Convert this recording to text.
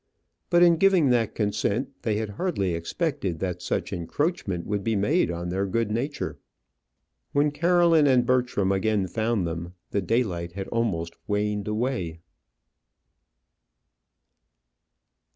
But in giving that consent, they had hardly expected that such encroachment would be made on their good nature. When Caroline and Bertram again found them, the daylight had almost waned away.